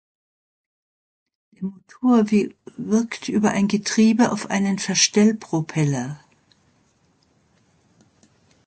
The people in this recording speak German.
Der Motor wirkt über ein Getriebe auf einen Verstellpropeller.